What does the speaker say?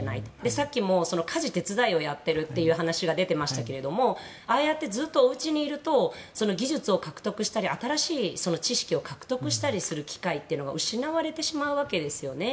さっきも家事手伝いをやっているという話が出ていましたがああやってずっと家にいると技術を獲得したり新しい知識を獲得したりする機会が失われてしまうわけですよね。